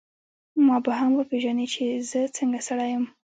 ما به هم وپېژنې چي زه څنګه سړی یم.